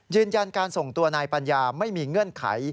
ยืนยันการส่งตัวนายปัญญาไม่มีเงื่อนไข